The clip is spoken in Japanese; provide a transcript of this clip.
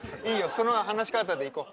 その話し方でいこう。